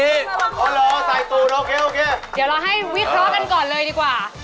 เดี๋ยวเราให้วิเคราะห์กันก่อนเลยดีกว่า